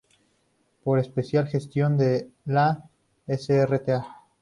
Por especial gestión de la Srta.